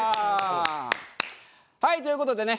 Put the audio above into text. はいという事でね